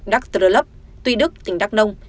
đắc trơ lấp tuy đức tỉnh đắc nông